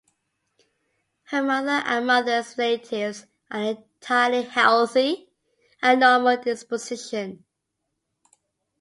Her mother and mother's relatives are entirely healthy, and normal in disposition.